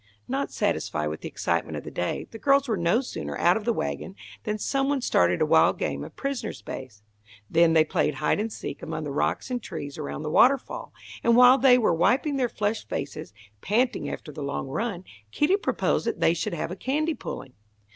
Not satisfied with the excitement of the day, the girls were no sooner out of the wagon than some one started a wild game of prisoners' base. Then they played hide and seek among the rocks and trees around the waterfall, and while they were wiping their flushed faces, panting after the long run, Kitty proposed that they should have a candy pulling.